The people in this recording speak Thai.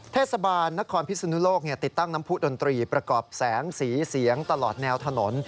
เทศบาลนครพิศนุโลกติดตั้งน้ำผู้ดนตรีประกอบแสงสีเสียงตลอดแนวถนน